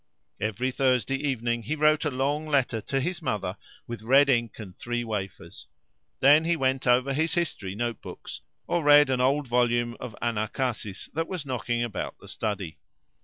Every Thursday evening he wrote a long letter to his mother with red ink and three wafers; then he went over his history note books, or read an old volume of "Anarchasis" that was knocking about the study.